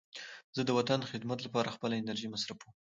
زه د وطن د خدمت لپاره خپله انرژي مصرفوم.